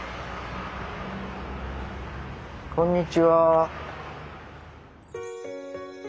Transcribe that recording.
こんにちは。